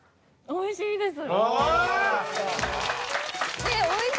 おいしいです。